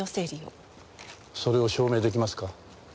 それを証明出来ますか？